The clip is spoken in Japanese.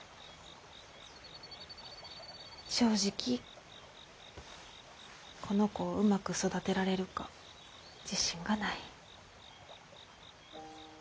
正直この子をうまく育てられるか自信がない。